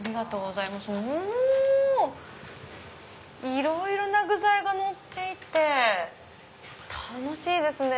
いろいろな具材がのっていて楽しいですね！